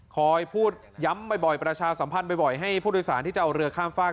คอยพูดย้ำบ่อยประชาสัมพันธ์บ่อยให้ผู้โดยสารที่จะเอาเรือข้ามฝาก